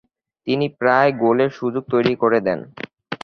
তিনি প্রায়ই গোলের সুযোগ তৈরি করে দেন।